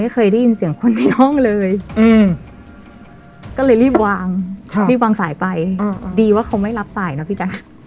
ก็ว่าเลยวางสายไปดีว่าเค้าไม่รับสายนะพี่แจ็ค